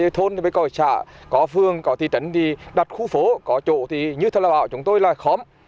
thôn thì mới có xã có phương có thị trấn thì đặt khu phố có chỗ thì như thầy bảo chúng tôi là khóm